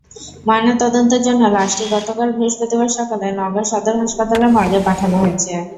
ময়নাতদন্তের জন্য লাশটি গতকাল বৃহস্পতিবার সকালে নওগাঁ সদর হাসপাতালের মর্গে পাঠানো হয়েছে।